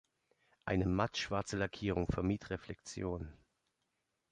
Eine mattschwarze Lackierung vermied Reflexionen.